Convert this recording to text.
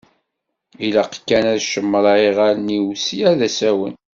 Ilaq kan ad cemṛeɣ iɣallen-iw sya d asawen.